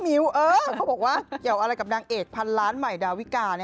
มิ้วเขาบอกว่าเกี่ยวอะไรกับนางเอกพันล้านใหม่ดาวิกา